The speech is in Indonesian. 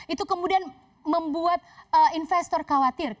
itu kemudian membuat investor khawatir